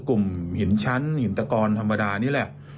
กลุ่มหินชั้นหินตะกอนธรรมดานี่แหละ